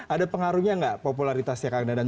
ada pengaruhnya nggak popularitasnya kang dadan